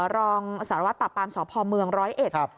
รองสารวัตรปราบปรามสพเมืองร้อยเอ็ด